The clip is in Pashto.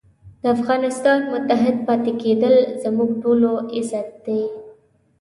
د افغانستان متحد پاتې کېدل زموږ ټولو عزت دی.